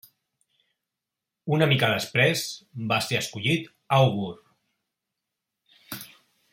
Un mica després va ser escollit àugur.